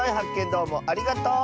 どうもありがとう！